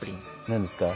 何ですか？